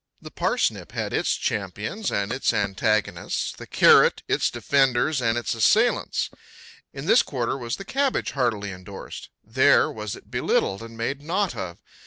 The parsnip had its champions and its antagonists; the carrot its defenders and its assailants. In this quarter was the cabbage heartily indorsed, there was it belittled and made naught of.